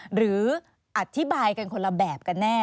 หรืออธิบายกันคนละแบบกันแน่